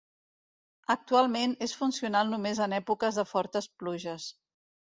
Actualment és funcional només en èpoques de fortes pluges.